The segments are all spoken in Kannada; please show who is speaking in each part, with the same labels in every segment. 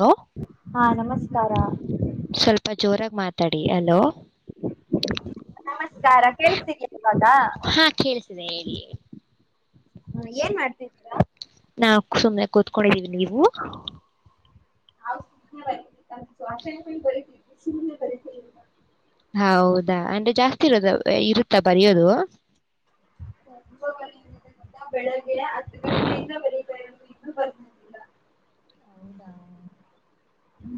Speaker 1: ಹಲೋ
Speaker 2: ಹಾ ನಮಸ್ಕಾರ
Speaker 1: ಸ್ವಲ್ಪ ಜೋರಾಗಿ ಮಾತಾಡಿ ಅಲೋ
Speaker 2: ಹ ನಮಸ್ಕಾರ ಕೇಳ್ತೀವಾಗ
Speaker 1: ಹಾ ಕೇಳಿಸಿದೆ ಹೇಳಿ ಹೇಳಿ
Speaker 2: ಹ್ಮ ಏನ್ ಮಾಡ್ತಿದರ
Speaker 1: ನಾ ಸುಮ್ನೆ ಕೂತ್ಕೊಂಡಿದ್ದೀವಿ ನೀವು
Speaker 2: ಹ ವಚನ ಬರಿ ಸ ಬರಿ
Speaker 1: ಹ ಹೌದಾ ಅಂದ್ರೆ ಜಾಸ್ತಿ ಇರೋದ ಇರುತ್ತಾ ಬರಯೋದು
Speaker 2: ಹ ಕ ಬೆಳಗ್ಗೆ ಹತ್ತು ಗಂಟೆಯಿಂದವರೆಗೆ ಎರಡು ಇನ್ನೂ ಬರ್ದಿಲ್ಲ
Speaker 1: ಹೌದಾ
Speaker 2: ಹ್ಮ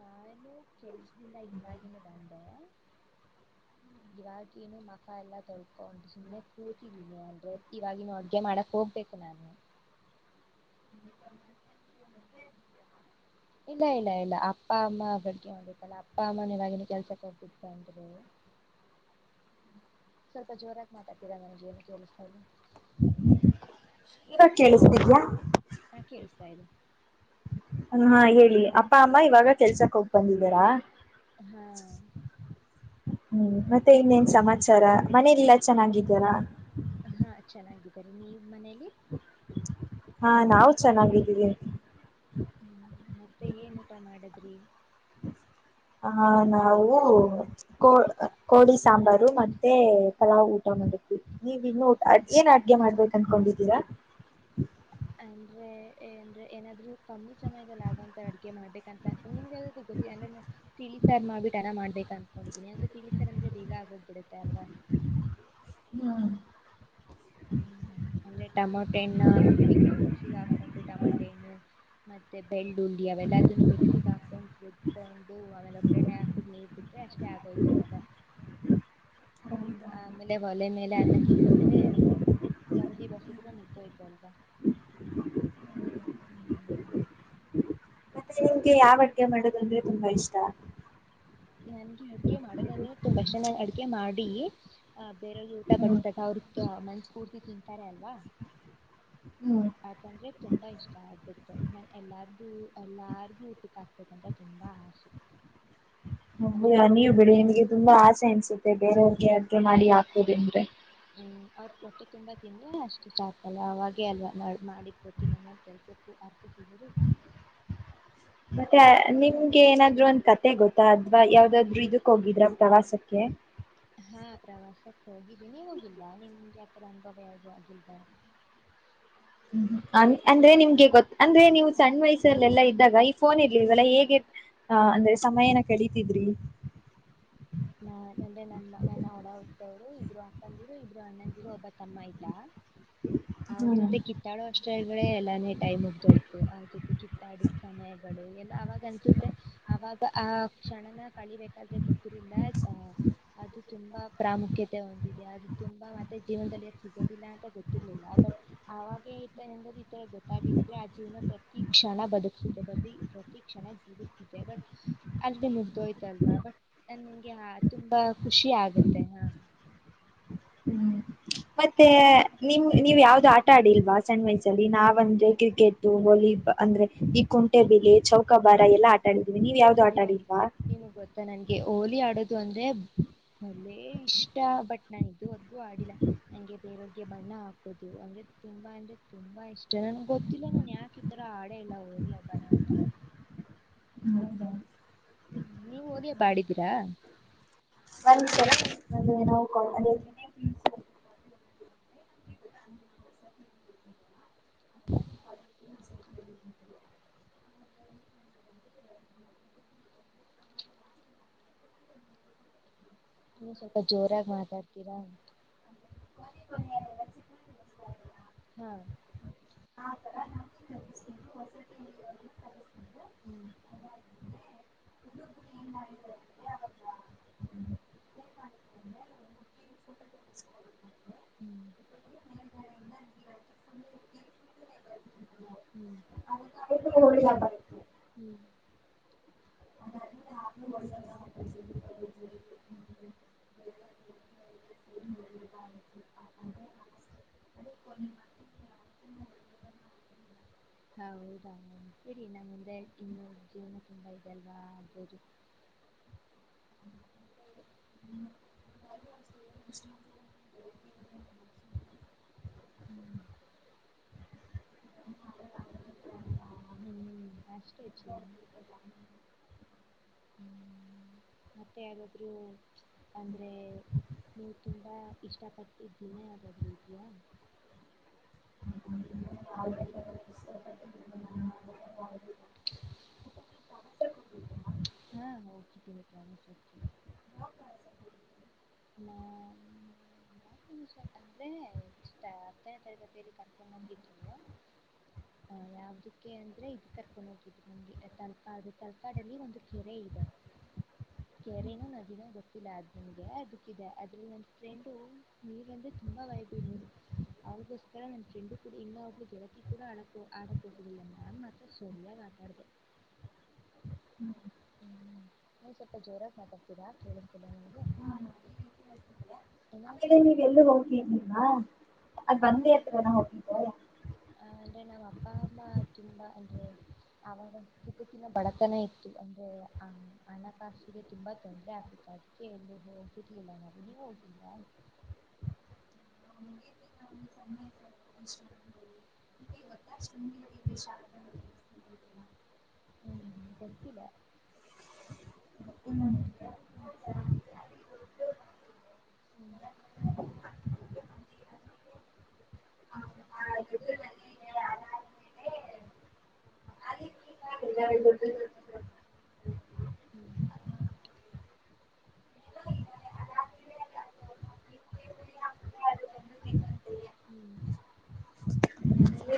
Speaker 1: ನಾನು ಕೆಲ್ಸದಿಂದ ಇವಾಗಿವಾಗಿನೂ ಬಂದೆ ಇ ಬಕೆಯನ ಮಫಾ ಎಲ್ಲಾ ತೊಳತ ಸುಮ್ಮನೆ ಕೂತಿದ್ದೀನಿ ಅಂದ್ರೆ ಇವಾಗಿನ ಅಡ್ಗೆ ಮಾಡಕ್ ಹೋಗ್ಬೇಕು ನ ಇಲ್ಲ ಇಲ್ಲ ಇಲ್ಲ ಅಪ್ಪ ಅಮ್ಮ ಅವರು ಿತ್ತಲ್ಲ ಅಪ್ಪ ಅಮ್ಮನವಾಗಿನ ಕೆಲ್ಸಕ್ಕೆ ಹೋಗಬಿಿದ್ದ ಅಂತರು ಸ್ವಲ್ಪ ಜೋರಾಗಿ ಮಾತಾಡ್ತೀರಾ ನನ್ಗೇನು ಕೇಳಿಸ್ತಾ ಇಲ್ಲ
Speaker 2: ಈಗ ಕೇಳಿಸ್ತಿದ್ಯಾಾ
Speaker 1: ಹಾ ಕೇಳಿಸ್ತಾ ಇದೆ
Speaker 2: ಹಾ ಹೇಳಿ ಅಪ್ಪ ಅಮ್ಮ ಇವಾಗ ಕೆಲ್ಸಕ್ ಹೋಗ್ ಬಂದಿದ್ದೀಾರಾ
Speaker 1: ಹಾ
Speaker 2: ಹ್ಮ್ ಮತ್ತೆ ಇನ್ನೇನ್ ಸಮಾಚಾರ ಮನೇ ಎಲ್ಲಾ ಚೆನ್ನಾಗಿದ್ದೀಾರಾ
Speaker 1: ಹಾ ಚೆನ್ನಾಗಿದ್ದಾರೆ ನೀವ ಮನೇಲಿ
Speaker 2: ಹಾ ನಾವು ಚೆನ್ನಾಗಿದ್ದೀವಿ
Speaker 1: ಹ್ಮ್ ಮತ್ತೆ ಏನ್ ಊಟ ಮಾಡದ್ರಿ
Speaker 2: ಆಹ ನಾವು ಕೋ ಕೋಳಿ ಸಾಂಬಾರು ಮತ್ತೆ ಪಲಾವ್ ಊಟ ನೀವ ಇನ್ನು ಏನ್ ಅಡ್ಗೆ ಮಾಡ್ಬೇಕ ಅನ್ಕೊಂಡಿದ್ದೀರಾ
Speaker 1: ಅಂದ್ರೆ ಏ ಅಂದ್ರೆ ಏನಾದ್ರೂ ಕಮ್ಮಿ ಸಮಯದಲ್ಲಿ ಆಗುವಂತ ಅಡಿಕೆ ಮಾಡ್ಬೇಕ ಅಂತ ಅಂತ ನಿಮ್ಗೆಾದೂ ಗೊತ್ತಿಲ್ಲ ಅಂದ್ರೆ ತಿಳ ಸರ್ ಮಾಡ್ಬಿಟ್ಟು ಅರಾ ಮಾಡ್ಬೇಕು ಅಂದ್ಕೊಂಡಿದ್ದೀನಿ ಅಂದ್ರೆ ತಿಳಸರ್ ಅಂದ್ರೆ ಬೇಗ ಆಗೋಗ್ಬಿಡುತ್ತೆ ಅಲ್ವಾ ಹ್ಮ್ ಅಂದ್ರೆ ಟಮಾಟೆನ್ನ ಬಿಕ್ ಮಿಕ್ಸಿಿಗೆ ಹಾಕೊಂಡು ಟಮಾಟ ಮತ್ತೆ ಬೆಳ್ಳುಳ್ಳಿ ಅವೆಲ್ಲದನ್ನು ಮಿಕ್ಸಿಿಗೆ ಹಾಕೊಂಡು ಕೊಂಡು ಆಮೇಲೆ ಒ ಹಾಕ ನೀರ್ ಬಿಟ್ರೆ ಅಷ್ಟೇ ಆಗೋಯ್ತು ಅಲ್ವಾ
Speaker 2: ಹ್ಮ್
Speaker 1: ಆ ಆಮೇಲೆ ಒಲೆ ಮೇಲೆ ಅನ್ನ ಸಿಗ್ತಿದ್ರೆ ಗಾಂಜಿ ಬಸಿದ್ರೆ ಮುಗ್ದೋಯ್ತು ಅಲ್ವಾ ಹ್ಮ್
Speaker 2: ಮತ್ತೆ ನಿಮ್ಗೆ ಯಾವ ಅಡ್ಗೆ ಮಾಡೋದಂದ್ರೆ ತುಂಬಾ ಇಷ್ಟ
Speaker 1: ನನ್ಗೆ ಅಡಿಕೆ ಮಾಡದ ತುಂಬಾ ಇಷ್ಟ ನಾನು ಅಡಿಕೆ ಮಾಡಿ ಆ ಬೇರೋಗಿ ಊಟ
Speaker 2: ಹ್ಮ್
Speaker 1: ಬಡಿಸತಾಗ ಅವ್ರ ಮನ್ಸ್ ಪೂರ್ತಿ ತಿಂತಾರೆ ಅಲ್ವಾ
Speaker 2: ಹ್ಮ್
Speaker 1: ಅದಂದ್ರೆ ತುಂಬಾ ಇಷ್ಟ ಆಗುತ್ತೆ ನನ್ ಎಲ್ಲಾರ ಹ ಎಲ್ಲಾರು ಊಟ್ಟಿ ಕತತಂತ ತುಂಬಾ ಆಶೆ
Speaker 2: ಹ ನೀವು ಬಿಡಿ ನಿಮಗೆ ತುಂಬಾ ಆಸೆ ಅನ್ಸುತ್ತೆ ಬೇರೆಯವ್ರಿಗೆ ಅದೆ ಮಾಡಿ ಹಾಕ್ಬೋುದ ಅಂದ್ರೆ
Speaker 1: ಹ್ಮ್ ಅವ್ರ ಹೊಟ್ಟೆ ತುಂಬಾ ತಿಂದ್ರೆ ಅಷ್ಟು ಸಾಕಲ್ಲ ಅವೆ ಅಲ್ವಾ ನ ಮಾಡಿದ ಪ್ರತಿ ನಮ್ಮ ಕೆಲ್ಸ ಚಕ್ಕು ಅರ್ಥ ಸಿ ಹೇಳದು
Speaker 2: ಮತ್ತೆ ನಿಮ್ಗೆ ಏನಾದ್ೂ ಒಂದ್ ಕತೆ ಗೊತ್ತಾ ಅದ್ವಾ ಯಾವ್ದಾದ್ರು ಇದಕ್ ಹೋಗಿದ್ರ ಪ್ರವಾಸಕ್ಕೆ
Speaker 1: ಹಾ ಪ್ರವಾಸಕ್ಕೆ ಹೋಗಿದ್ದೀ ನೀ ಹೋಗಿಲ್ವಾ ನಿಮಗೆ ಆಥರ ಅನುಭವ ಯಾದು ಆಗಲ್ದ
Speaker 2: ಹ್ಮ ಅಂದ್ರೆ ನಿಮ್ಗೆ ಗೊತ್ ಅಂದ್ರೆ ನೀವು ಸಣ್ಣ ವಯಸ್ಸಲ್ಲೆಲ್ಲಾ ಇದ್ದಾಗ ಈ ಫೋನ್ ಇರ್ಲಿವಲ್ಲ ಹೇಗೆ ಹಾ ಅಂದ್ರೆ ಸಮಯ ಏನ ಕಡಿತಿದ್ರಿ
Speaker 1: ನಾ ನನ್ನೆ ನಮ್ಮ ನನ್ನ ಹೊಡ ಹೊ್ದವ್ರು ಇಬ್ರು ಅಕ್ಕಂದಿರು ಇಬ್ರು ಅಣ್ಣಂದಿರು ಒಬ್ಬ ತಮ್ಮ ಇದ್ದ
Speaker 2: ಹ್ಮ
Speaker 1: ಅವ್ರ ಜೊತೆ ಕಿತ್ತಾಡೋ ಅಷ್ಟಗಳೇ ಎಲ್ಲಾನೇ ಟೈಮ್ ಮುಗ್ದೋಯ್ತು ಅವ್ರ ಜೊತೆ ಕಿತ್ತಾಡಿದ ಸಮಯಗಳು ಎಲ್ಲ ಅವಾಗ ಅನ್ಸುತ್ತೆ ಅವಾಗ ಆ ಕ್ಷಣನ ಕಳಿಬೇಕಾದ ಇಲ್ಲ ಅದು ತುಂಬಾ ಪ್ರಾಮುಖ್ಯತೆ ಹೊಂದಿದೆ ಅದು ತುಂಬಾ ಮತ್ತೆ ಜೀವನದಲ್ಲಿ ಯಾಕೆ ಸಿಗೋದಿಲ್ಲ ಅಂತ ಗೊತ್ತಿರ್ಲಿಲ್ಲ ಆಾಗ ತ ಎಂದ್ರೆ ಈತರ ಗೊತ್ತಾಗಿದ್ರೆ ಆ ಜೀವನ ಪ್ರತಿ ಕ್ಷಣ ಬದುಕ್ಸಿದೆೆ ಬದ ಣ ಜೀವಿಸ್ತಿದೆ ಬಟ್ ಅಲ್ದೆ ಮುಗ್ದೋಯ್ತಲ್ವಾ ಬಟ್ ನ ನಿಂಗೆ ಹಾ ತುಂಬಾ ಖುಷಿ ಆಗತ್ತೆ ಹಾ
Speaker 2: ಹ್ಮ್ ಮತ್ತೆ ನಿಮ್ ನೀವ್ ಯಾವ್ದು ಆಟ ಆಡಿಲ್ವಾ ಸಂಡ್ ವೈಸ್ ಅಲ್ಲಿ ನಾವಂದ್ರೆ ಕ್ರಿಕೆಟ್ ವಾಲಿಬಾಲ್ ಅಂದ್ರೆ ಈ ಕುಂಟೆಬಲೆ ಚೌಕಾಬಾರ ಎಲ್ಲಾ ಆಟಾಡ
Speaker 1: ನಿಮ ನಿಮಗ್ ಗೊತ್ತಾ ನನ್ಗೆ ಹಓಲಿ ಆಡೋದು ಇ ಅಂದ್ರೆ ಒಳ್ಳೆ ಇಷ್ಟ ಬಟ್ ನಾನು ಇದುವರೆಗೂ ಆಡಿಲ್ಲ ಹಂಗೆ ಬೇರವ ಗೆ ಬಣ್ಣ ಹಾಕೋುದು ಅಂದ್ರೆ ತುಂಬಾ ಅಂದ್ರೆ ತುಂಬಾ ಇಷ್ಟ ನನ್ಗೆ ಗೊತ್ತಿಲ್ಲ ನಾನನ್ ಯಾಕೆ ಈತರ ಆಡ ಇಲ್ಲ ಹಿ ಅಬ್ಬಾನ ಅಂತ
Speaker 2: ಹ್ಮದ
Speaker 1: ನೀವು ಹೋಲಿಯ ಬಾಡಿದ್ದೀರಾ
Speaker 2: ವನ್ ನವು ಕ ಅದೇ ಅ
Speaker 1: ನೀ ಸ್ವಲ್ಪ ಜೋರಾಗಿ ಮಾತಾಡ್ತೀರಾ
Speaker 2: ಕ ಕೊ ಚ
Speaker 1: ಹ್ಮ
Speaker 2: ಹಾ ನಾ
Speaker 1: ಹ್ಮ್
Speaker 2: ಏ ಮಾಡ
Speaker 1: ಹ್ಮ್ ಹ್ಮ್
Speaker 2: ಳಿ ಜ
Speaker 1: ಹ್ಮ್
Speaker 2: ಅ ಯ ಒ [inaudible] ನಿ ಯ
Speaker 1: ಹೌದಾ ಇಡಿ ನಮ್ಮ ಮುಂದೆ ಇನ್ನು ಜೀವನ ತುಂಬಾ ಎಲ್ಲಾ
Speaker 2: ಹ
Speaker 1: ಹ್ಮ್ ಹ್ಮ್ ಅಷ್ಟಚ ಹ್ಮ ಮತ್ತೆ ಯಾದ್ರು ಅಂದ್ರೆ ನೀವು ತುಂಬಾ ಇಷ್ಟಪಟ್ಟ ದಿನ ಯಾದ್ ರೀತಿಯಾ
Speaker 2: [inaudible] [inaudible] [inaudible] [inaudible]
Speaker 1: ಹಾ ಹೋಗ ಸ ಹ್ಮ ನಿಮಷ ಅಂದ್ರೆ ಎ ಹತ್ತನೇ ತರಗತಿಯಲ್ಲಿ ಕರ್ಕರ್ಮ್ ಆಗಿದ್ರು ಹ ಯಾವದಕ್ಕೆ ಅಂದ್ರೆ ಇದದು ಕರ್ಕೊಂಡ ಹೋಗಿದ್ರು ನಮ್ಗೆ ತಲ್ಕಾಡ್ ತಲ್ಕಾಡಲ್ಲಿ ಒಂದು ಕೆರೆ ಕೆರೆನು ನ ಜನ ಬತ್ತಿ ಲಾದನಗೆ ದೆ ಅದ್ರಲ್ಲಿ ನಂತ ್ರೆಂಡ ನೀರ್ ಬಂದೆ ತುಂಬಾ ವಯ ಬೀೋದು ಅವ್ರಿಗೋಸ್ಕರ ನನ್ ಫ್ರೆಂಡು ಕೂಡ ಇಂಗ ಒಬ್ಳ ಗೆಳಕಿ ಕೂಡ ಆಡಕ ಆಡಕ್ ಹೋಗುದಿಲ್ಲ ನಾನ್ ಮಾತ್ರ ಸರಯ ಮಾತಾಡ್ದು
Speaker 2: [inaudible]
Speaker 1: ಹ್ಮ್ ನೀ ಸ್ವಲ್ಪ ಜೋರಾಗಿ ಮಾತಾಡ್ತೀರಾ ಕೇಳಿಸ್ತಿಲ್ಲ ನಿನ್
Speaker 2: ಆಮೇಲೆ ನೀವೆ ಎಲ್ಲೂ ಹೋಗ್ತಿಲ್ವಾ ಅದ್ ಬಂದೇ ಹತ್ರದ ನಾ ಹೋಗಿದ್ದೆ
Speaker 1: ಅಂದ್ರೆ ನಮ್ಮ ಅಪ್ಪ ಅಮ್ಮ ತುಂಬಾ ಅಂದ್ರೆ ಅವರ ಚಗಕಿನ ಬಡತನ ಇತ್ತು ಅಂದ್ರೆ ಆ ಹಣಕಾಸಿಗೆ ತುಂಬಾ ತೊಂದ್ರರೆ ಆಗ್ತ್ತ ಅದಕ್ಕೆ ಎಲ್ಲ ಹೋಗಿರ್ಲಿಲ್ಲ ನಾು ನೀವ ಹೋಗಿಲ್ಲ
Speaker 2: [inaudible]
Speaker 1: ಹ್ಮ್ ಸಕ್ಕಿಲ್ಲ ಹಾ ಹ್ಮ್ ಹದು ನಗೆ ಅದಐ
Speaker 2: [inaudible]
Speaker 1: ಹ್ಮ್
Speaker 2: ಅದ
Speaker 1: ಹ್ಮ್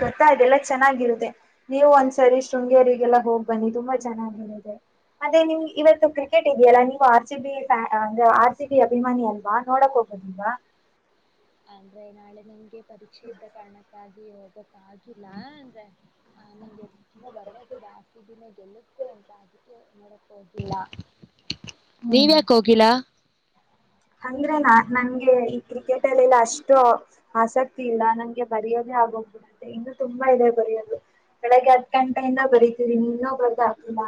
Speaker 2: ಗೊತ್ತ ಇದೆಲ್ಲಾ ಚೆನ್ನಾಗಿರುತ್ತದೆ ನೀವು ಒಂದ್ಸರಿ ಶೃಂಗೇರಿಗೆಲ್ಲಾ ಹೋಗ್ ಬನ್ನಿ ತುಂಬಾ ಚೆನ್ನಾಗಿರುತ್ತೆ ಮತ್ತೆ ನಿಮ್ ಇವತ್ತು ಕ್ರಿಕೆಟ್ ಇದೆಯಲ್ಲ ನೀವು ಆರ್ ಸಿ ಬಿ ಫ್ಯಾನ್ ಅ ಆರ್ ಸಿ ಬಿ ಅಭಿಮಾನಿ ಅಲ್ವಾ ನೋಡಕ್ ಹೋಗ ಾ
Speaker 1: ಅಂದ್ರೆ ನಾಳೆ ನಂಗೆ ಪರೀಕ್ಷೆ ಇದ್ದ ಕಾರಣಕ್ಕಾಗಿ ಹೋಗ ಆಾಗಿಲ್ಲ ಅಂದ್ರೆ ಆ ನಂಗೆ ತುಂಬಾ ಭರವಸೆ ಜಾಸ್ತಿ ಇದ್ದಿನ ಗೆಲ್ಲ ಅಂತ ಅದಕ್ಕೆ ನೋಡಕ್ ಹೋಗಿಲ್ಲ
Speaker 2: ಹ್ಮ್
Speaker 1: ನೀವ್ಯಾಕ ಹೋಗಿಲ್ಲ
Speaker 2: ಅಂದ್ರೆ ನಾ ನಂಗೆ ಈ ಕ್ರಿಕೆಟ್ ಅಲ್ಲಿಲ್ಲ ಅಷ್ಟು ಆಸಕ್ತಿ ಇಲ್ಲ ನಂಗೆ ಬರೆಯೋದ ಆಗ್ ಕೂಡುತ್ತೆ ಇನ್ನು ತುಂಬಾ ಇದೆ ಬರೆಯೋದು ಬೆಳಗ್ಗೆ ಹದ್ ಗಂಟೆಯಿಂದ ಬರಿತೀರಿ ನೀ ಇನ್ನೂ ಬರ್ದ ಆಾಕಿಲ್ಲ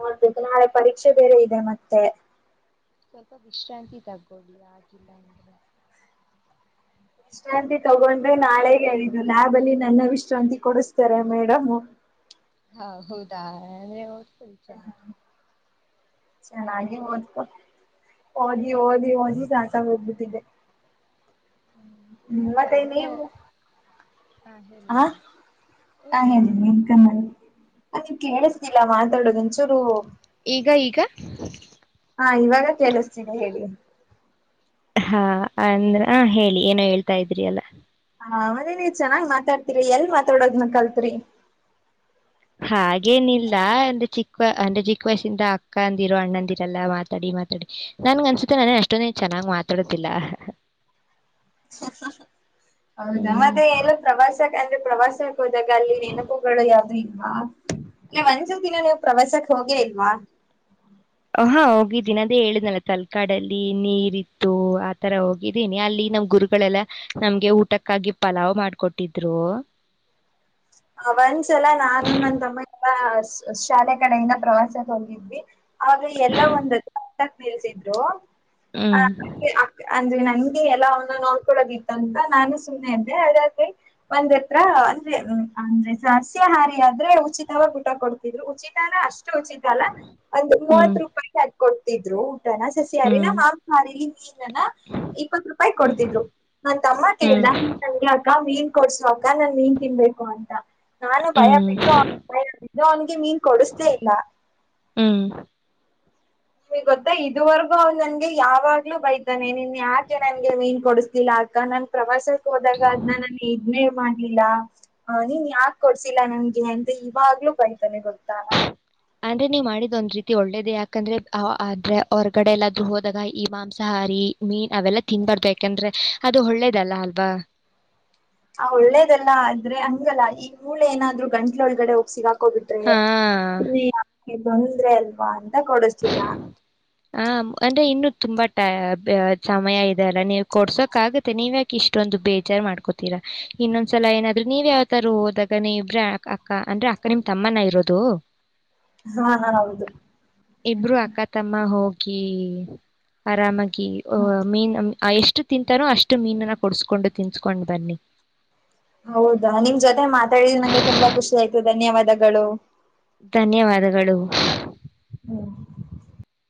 Speaker 2: ನೋಡ್ಬೇಕು ನಾಳೆ ಪರೀಕ್ಷೆ ಬೇರೆ ಇದೆ ಮತ್ತೆ
Speaker 1: ಸ್ವಲ್ಪ ವಿಶ್ರಾಂತಿ ತಗೋೊಳ್ಳಿ ಆಗಿಲ್ಲ ಅಂದ್ರೆ
Speaker 2: ವಿಶ್ರಾಂತಿ ತಗೊಂಡ್ರೆ ನಾಳೆ ಹೇಳಿದ್ದು ಲ್ಯಾಬ್ ಅಲ್ಲಿ ನನ್ನ ವಿಶ್ರಾಂತಿ ಕೊಡಸ್ತಾರೆ ಮೇಡಮ್
Speaker 1: ಇ ಚನೆ
Speaker 2: ಚೆನ್ನಾಗಿ ಮೂದ ಓದಿ ಓದಿ ಹಓದಿ ಸಾಕ ಹೋಗ್ಬಿಟ್ಟಿದ್ದಿದೆ
Speaker 1: ಹ್ಮ್
Speaker 2: ಹ್ಮ
Speaker 1: ಇನ್ನ
Speaker 2: ಮತ್ತೆ
Speaker 1: ಕನ್ನಡ
Speaker 2: ನೀವು
Speaker 1: ಹಾ ಹೇಳಿ
Speaker 2: ಹ
Speaker 1: ಹೇಳಿ ಹೇಳಿ ಹೇಳಿ ಹೇಳಿ
Speaker 2: ಹಾಗೀನ್ ಕಮ್ಮ ಅದ ಕೇಳಿಸುದಿಲ್ಲ ಮಾತಾಡೋುದಂ
Speaker 1: ಈಗ ಈಗ
Speaker 2: ಹಾ ಇವಾಗ ಕೇಳಿಸ್ತೀನಿ ಹೇಳಿ
Speaker 1: ಹಾ ಅಂದ್ರ ಆ ಹೇಳಿ ಏನೋ ಹೇಳ್ತಾ ಇದ್ರಿ ಅಲ್ಲ
Speaker 2: ಹ ಮತ್ತೆ ನೀವ ಚೆನ್ನಾಗ್ ಮಾತಾಡ್ತಿರಿ ಎಲ್ ಮಾತಾಡೋದ್ನ ಕಲ್ತ್ರಿ
Speaker 1: ಹಾಗೇನಿಲ್ಲ ಅಂದ್ರೆ ಚಿಕ್ಕ ಅಂದಜ್ಕ ವಯಸಿಂದ ಅಕ್ಕ ಅಂದಿರೋ ಅಣ್ಣಂದಿರಲ್ಲ ಮಾತಾಡಿ ಮಾತಾಡಿ ನನ್ ಅನ್ಸುತ್ತೆ ನನ ಅಷ್ಟೊ ಚೆನ್ನ ನಂ ಮಾತಾಡತಿಿಲ್ಲ
Speaker 2: ಹ ಹೌದಾ
Speaker 1: ಹ್ಮ್
Speaker 2: ಮತ್ತೆ ಎಲ್ಲ ಪ್ರವಾಸ ಅಂದ್ರೆ ಪ್ರವಾಸಕ್ಕೆ ಹೋದಾಗ ಅಲ್ಲಿ ನೆನಪುಗಳು ಯಾವ್ದೀ ಹಾ ಇ ಒಂಚ ದಿನ ನೀವು್ ಪ್ರವಾಸಕ್ ಹೋಗೇ ಇಲ್ವಾ
Speaker 1: ಹಾ ಹೋಗಿದ್ದೀನಿ ಅದೇ ಹೇಳಿದ್ನಲ್ಲ ತಲ್ಕಾಡಲ್ಲಿ ನೀರ್ ಇತ್ತು ಆತರ ಹೋಗಿದ್ದೀನಿ ಅಲ್ಲಿ ನಮ್ ಗುರು ಗಳೆಲ್ಲ ನಮ್ಗೆ ಊಟಕ್ಕಾಗಿ ಪಲಾವ್ ಮಾಡ್ಕೊಟ್ಟಿದ್ರು
Speaker 2: ಒಂದ್ಸಲ ನಾನು ನಂದ ತಮ್ಮ ಎಲ್ಲ ಶಾಲೆ ಕಡೆಯಿಂದ ಪ್ರವಾಸಕ್ಕೆ ಹೋಗಿದ್ವಿ ಆ ಎಲ್ಲ ಒಂದ ನಿಲ್ಸಿದ್ರುಂದ ನಂದಿ ಎಲ್ಲ ಅವನ್ನ ನೋಡ್ಕೊಳ್ಳೋದಿತ್ತು ಅಂತ ನಾನು ಸುಮ್ಮ್ನೆ ಇದ್ದೆ ಹಾಗಾಗಿ ಒಂದ್ ಹತ್ರ ಅಂದ್ರೆ ಸಸ್ಯಹಾರಿ ಆದ್ರೆ ಉಚಿತವ ಊಟ ಕೊಡ್ತಿದ್ರು ಉಚಿತನ ಅಷ್ಟೇ ಚಿತಲ್ಲ ಒಂದು ಮೂವತ್ ರೂಪಾಯಿ ತಗ ಕೊಡ್ತಿದ್ರು ನ ಸಸ್ಯಹಾರಿ ನ್ ಮಾ ಸಾರಿಲಿ ನೀರ್ನ್ನ ಇಪ್ಪತ್ ರೂಪಾಯಿ ಕೊಡ್ತಿದ್ರು ನ ತಮ್ಮ ಕೇಳ್ದ ನಂಗ ಅಕ್ಕ ಮೀನ್ ಕೊಡ್ಸಕ್ಕ ನನ್ ಮೀನ್ ತಿನ್ಬೇಕು ಅಂತ ನಾನು ಭಯ ಬಿಟ್ಟು ಅವಯು ಅವನ್ಿಗೆ ಮೀನ್ ಕೊಡಸ್ಲೇ ಇಲ್ಲ
Speaker 1: ಹ್ಮ್
Speaker 2: ಗೊತ್ತಾ ಇದುವರೆಗೂ ಅವ್ ನನ್ಗೆ ಯಾವಾಗ್ಲೂ ಬೈತಾನೆ ನಿನ್ ಯಾಕೆ ನನ್ಗೆ ಮೀನ್ ಕೊಡಿಸಸ್ತಿಲ್ಲ ಆಗ ನಾನನ್ ಪ್ರವಾಸಕ್ ಹೋದಾಗ ಅದನ್ನ ನಾನ ಇನೇ ಮಾಡ ಆಗ್ಲಿಲ್ಲ ಅ ನೀನ್ ಯಾಕ ಕೊಡ್ಸಿಲ್ಲ ನನ್ಗೆ ಅಂತ ಇವಾಗ್ಲೂ ಬೈತಾನೆ ಗೊತ್ತಲ್ಲ
Speaker 1: ಅಂದ್ರೆ ನೀವ್ ಮಾಡಿದ್ ಒಂದ್ ರೀತಿ ಒಳ್ಳೇದ ಯಾಕಂದ್ರೆ ಆದ್ರೆ ಅವ್ರಗಡೆ ಎಲ್ಲಾದ್ರೂ ಹೋದಾಗ ಈ ಮಾಂಸಾಹಾರಿ ಮೀನ್ ಅವೆಲ್ಲಾ ತಿನ್ಬಾರ್ದು ಯಾಕಂದ್ರೆ ಅದು ಒಳ್ಳೇದಲ್ಲ ಅಲ್ವಾ
Speaker 2: ಆ ಒಳ್ಳೇದಲ್ಲ ಆದ್ರೆ ಹಂಗಲ್ಲ ಈಗ ಮೂಳೆ ಏನಾದ್ರು ಗಂಟ್ಲೆ ಒಳಗಡೆ ಹೋಗ್ಸಗ ಹಾಕೋಬಿಟ್ರಿ
Speaker 1: ಹಾ
Speaker 2: ಯಾೆ ಬಂದ್ರೆ ಅಲ್ವಾ ಅಂತ ಕೊಡಿಸ್ತೀರಾ
Speaker 1: ಹ ಅಂದ್ರೆ ಇನ್ನು ತುಂಬಾ ಸಮಯ ಇದೆ ಅಲ್ಲ ನೀವು ಕೊಡ್ಸೋಕ್ ಆಗುತ್ತೆ ನೀವ ಯಕೆ ಇಷ್ಟೊಂದು ಬೇಜಾರ್ ಮಾಡ್ಕೊತೀರಾ ಇನ್ನೊಂದ್ಸಲ ಏನಾದ್ರು ನೀವ್ ಯಾವ್ತರ ಹೋದಾಗ ನೀ ಇಬ್ರ ಅಕ್ಕ ಅಂದ್ರೆ ಅಕ್ಕ ನಿಮ್ ತಮ್ಮನ ಇರೋದು
Speaker 2: ಹಾ ಹಾ ಹೌದು
Speaker 1: ಹ ಹೋಗಿ ಆರಾಮಾಗಿ ಮೀನ್ ಎಷ್ಟ ಅಷ್ಟು ತಿಂತಾರೋ ಅಷ್ಟು ಮೀನನ್ನ ಕೊಡಸ್ಕೊಂಡು ತಿನ್ಸ್ಕೊಂಡ್ ಬನ್ನಿ
Speaker 2: ಹೌದಾ ನಿಮ್ ಜೊತೆ ಮಾತಾಡಿದ ನಂಗೆ ತುಂಬಾ ಖುಷಿ ಆಯ್ತು ಧನ್ಯವಾದಗಳು
Speaker 1: ಧನ್ಯವಾದಗಳು
Speaker 2: ಹ್ಮ್